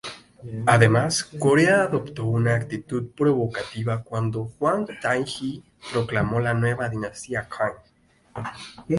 Además, Corea adoptó una actitud provocativa cuando Huang Taiji proclamó la nueva dinastía Qing.